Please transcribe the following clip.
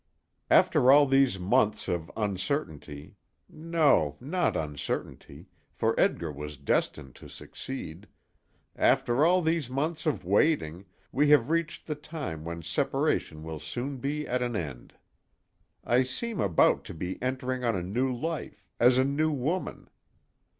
After all these months of uncertainty no, not uncertainty, for Edgar was destined to succeed after all these months of waiting, we have reached the time when separation will soon be at an end. I seem about to be entering on a new life, as a new woman.